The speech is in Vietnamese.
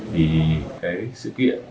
thì cái sự kiện